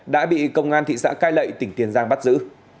đã bị công an thị xã cai lệ tỉnh tiền giang bắt giữ